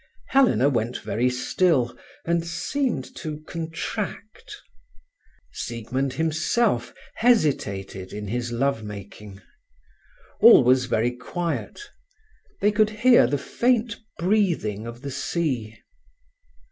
Helena went very still, and seemed to contract. Siegmund himself hesitated in his love making. All was very quiet. They could hear the faint breathing of the sea.